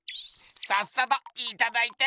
さっさといただいて帰るか！